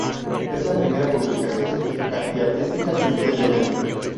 Es la primera publicación científica y artística simultáneamente.